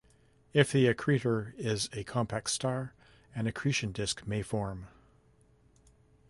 If the accretor is a compact star, an accretion disk may form.